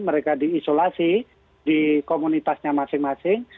mereka diisolasi di komunitasnya masing masing